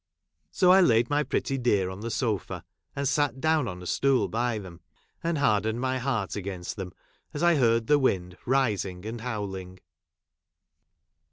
So, I laid my pretty dear on the ■ sofa, and sat down on a stool by them, and haixleued my heart against them as I heard the wind rising and howling.